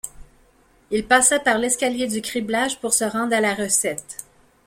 Il passa par l’escalier du criblage, pour se rendre à la recette.